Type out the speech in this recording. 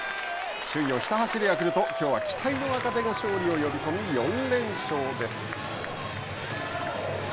首位をひた走るヤクルトきょうは期待の若手が勝利を呼び込み、４連勝です。